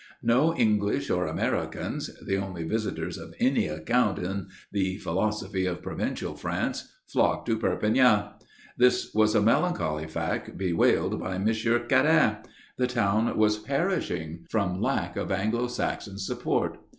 No English or Americans the only visitors of any account in the philosophy of provincial France flock to Perpignan. This was a melancholy fact bewailed by Monsieur Quérin. The town was perishing from lack of Anglo Saxon support.